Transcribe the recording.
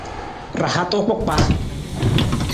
Ra hata kpakpaa.